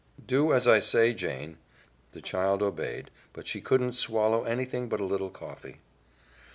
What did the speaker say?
"Do as I say, Jane." The child obeyed, but she couldn't swallow anything but a little coffee.